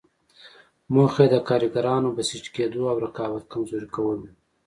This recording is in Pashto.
موخه یې د کارګرانو بسیج کېدو او رقابت کمزوري کول وو.